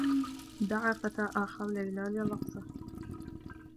دعى فتى آخر ليلى للرّقصة.